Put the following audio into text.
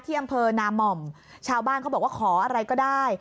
อำเภอนาม่อมชาวบ้านเขาบอกว่าขออะไรก็ได้